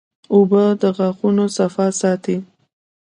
اوبه د غاښونو صفا ساتي